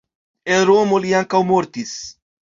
En Romo li ankaŭ mortis.